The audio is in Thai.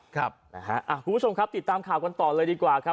คุณผู้ชมครับติดตามข่าวกันต่อเลยดีกว่าครับ